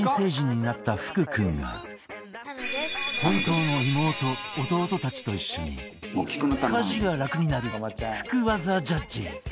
本当の妹弟たちと一緒に家事が楽になる福ワザジャッジ